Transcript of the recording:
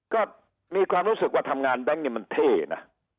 ก็มีความรู้สึกว่าทำงานแบงค์นี่มันเท่นะ